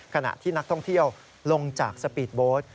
ขณะที่นักท่องเที่ยวลงจากสปีดโบสต์